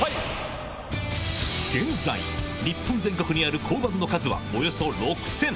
現在、日本全国にある交番の数はおよそ６０００。